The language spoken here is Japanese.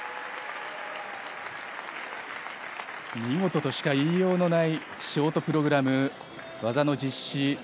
見事としか言いようのないショートプログラム、技の実施。